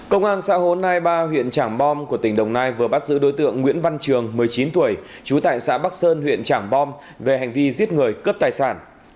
công an xã hồ nai ba huyện trảng bom của tỉnh đồng nai vừa bắt giữ đối tượng nguyễn văn trường một mươi chín tuổi trú tại xã bắc sơn huyện trảng bom về hành vi giết người cướp tài sản